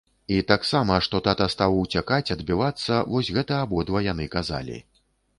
І таксама, што тата стаў уцякаць, адбівацца, вось гэта абодва яны казалі.